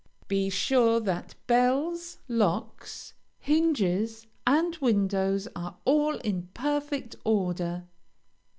Be sure that bells, locks, hinges, and windows, are all in perfect order.